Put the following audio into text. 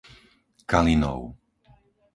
Kalinov